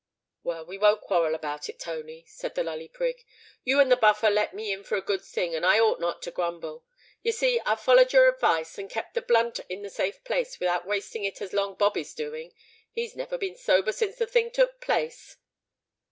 "Well, we won't quarrel about it, Tony," said the Lully Prig. "You and the Buffer let me in for a good thing; and I ought not to grumble. You see, I've follered your advice, and kept the blunt in a safe place, without wasting it as Long Bob is doing. He's never been sober since the thing took place."